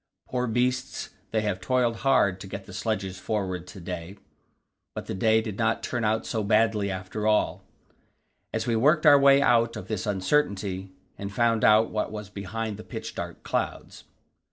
Poor beasts, they have toiled hard to get the sledges forward to day." But the day did not turn out so badly after all, as we worked our way out of this uncertainty and found out what was behind the pitch dark clouds.